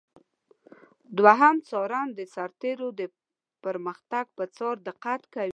دوهم څارن د سرتیرو د پرمختګ پر څار دقت کوي.